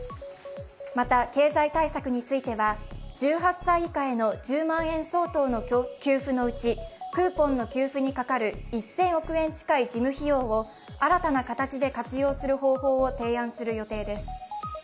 また経済対策については１８歳以下への１０万円相当の給付のうちクーポンの給付にかかる１０００万円近い事務費用を新たな形で活用する方法を提案する予定です。